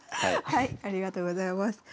ありがとうございます。